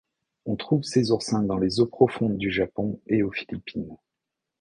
On trouve ces oursins dans les eaux profondes du Japon et aux Philippines.